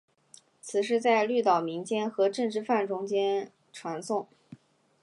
此事在绿岛民间和政治犯中间传诵。